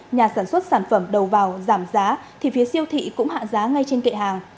nhà sản xuất sản phẩm đầu vào giảm giá thì phía siêu thị cũng hạ giá ngay trên kệ hàng